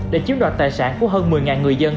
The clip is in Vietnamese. để chiếm đoạt tài sản của hơn một mươi người dân